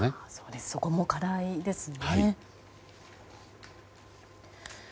そこも課題ですね。